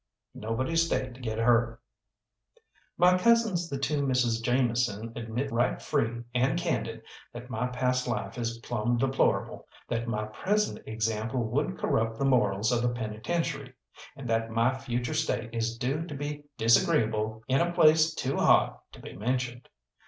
Nobody stayed to get hurt. My cousins the two Misses Jameson admit right free and candid that my past life is plumb deplorable, that my present example would corrupt the morals of a penitentiary, and that my future state is due to be disagreeable in a place too hot to be mentioned.